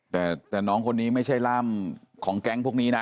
แต่น้องคนนี้ไม่ใช่ร่ามของแก๊งพวกนี้นะ